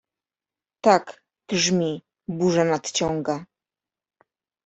— Tak, grzmi, burza nadciąga.